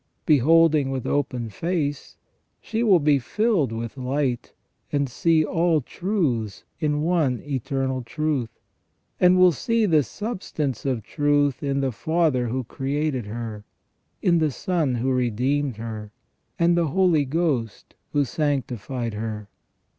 Beholding with open face, she will be filled with light, and see all truths in one Eternal Truth, and will see the substance of truth in the Father who created her, in the Son who redeemed her, and the Holy Ghost who sanctified her.